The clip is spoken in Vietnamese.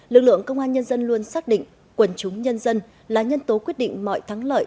lực lượng công an nhân dân luôn xác định quần chúng nhân dân là nhân tố quyết định mọi thắng lợi